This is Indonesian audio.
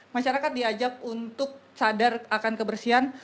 masyarakat diajak untuk sadar akan kebersihan